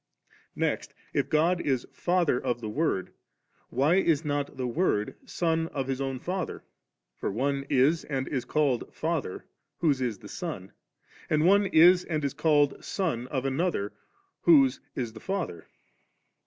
Next, if God is Fatiier of the Word, why is not the Word Son of His own Father? for one is and is called fieither, whose is the son ; and one is and is called son of another, whc^eis the &ther.